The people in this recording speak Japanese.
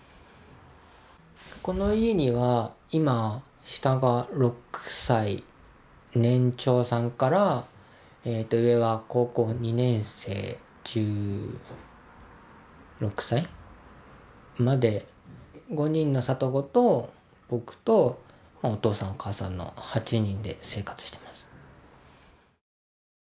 この家には今下が６歳年長さんから上は高校２年生１６歳まで５人の里子と僕とお父さんお母さんの８人で生活してます。